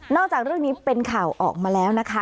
จากเรื่องนี้เป็นข่าวออกมาแล้วนะคะ